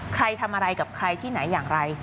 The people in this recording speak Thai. ใครทำอะไรกับใครที่ไหนอย่างไร